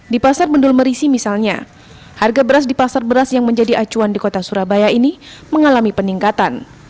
di pasar bendul merisi misalnya harga beras di pasar beras yang menjadi acuan di kota surabaya ini mengalami peningkatan